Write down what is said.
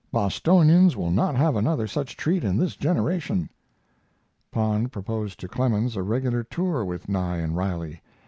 Bostonians will not have another such treat in this generation. Pond proposed to Clemens a regular tour with Nye and Riley.